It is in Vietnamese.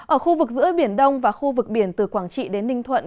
ở khu vực giữa biển đông và khu vực biển từ quảng trị đến ninh thuận